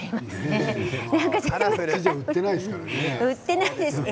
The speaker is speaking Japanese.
東京じゃ売ってないですからね。